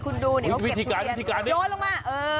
คุณดูกันดูโดดลงมา